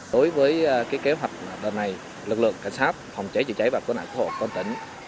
đối với kế hoạch này lực lượng cảnh sát phòng cháy chữa cháy và cố nạn cứu hộ con tỉnh